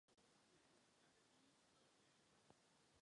Invazi zkušených námořníků na rychlých lodích nemohlo město odolat.